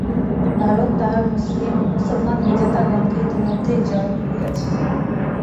ভারত তাহার মুসলমান বিজেতাগণকে ইতোমধ্যেই জয় করিয়াছে।